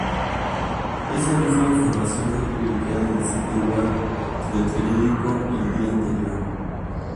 Esa misma información fue publicada en el sitio web del periódico el día anterior.